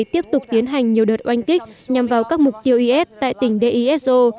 để tiếp tục tiến hành nhiều đợt oanh kích nhằm vào các mục tiêu is tại tỉnh d i s o